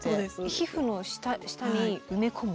皮膚の下に埋め込む？